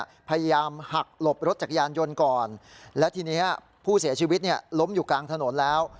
พยายามหักหลบรถจักรยานยนต์ก่อนและทีนี้ผู้เสียชีวิตเนี่ยล้มอยู่กลางถนนแล้ว